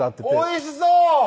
おいしそう！